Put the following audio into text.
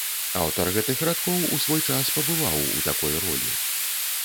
Аўтар гэтых радкоў у свой час пабываў у такой ролі.